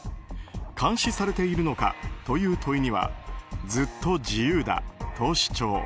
監視されているのかという問いにはずっと自由だと主張。